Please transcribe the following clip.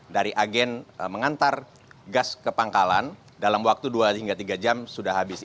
dari agen mengantar gas ke pangkalan dalam waktu dua hingga tiga jam sudah habis